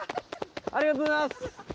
ありがとうございます。